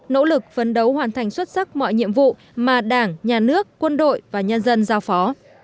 nỗ lực phấn đấu hoàn thành xuất sắc mọi nhiệm vụ mà đảng nhà nước quân đội và nhân dân giao phó